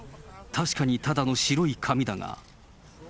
確かにただの白い紙だが。